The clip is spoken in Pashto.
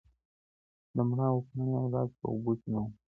د مړاوو پاڼې علاج په اوبو کې نه و.